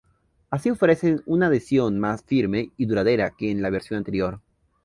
Así ofrecen una adhesión más firme y duradera que en la versión anterior.